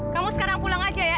kamu sekarang pulang aja ya